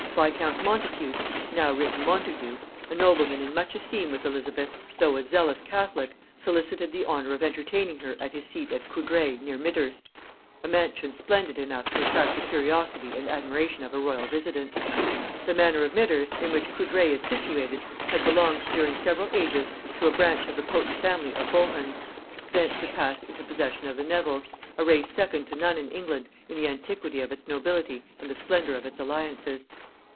Viscount Montacute, (now written Montagu,) a nobleman in much esteem with Elizabeth, though a zealous catholic, solicited the honor of entertaining her at his seat of Coudray near Midhurst; a mansion splendid enough to attract the curiosity and admiration of a royal visitant. The manor of Midhurst, in which Coudray is situated, had belonged during several ages to a branch of the potent family of Bohun; thence it passed into possession of the Nevils, a race second to none in England in the antiquity of its nobility and the splendor of its alliances.